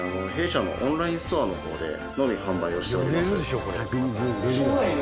弊社のオンラインストアの方でのみ販売をしております。